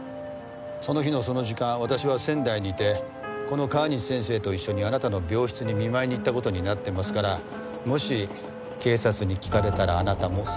その日のその時間私は仙台にいてこの川西先生と一緒にあなたの病室に見舞いに行った事になってますからもし警察に聞かれたらあなたもそう答える事。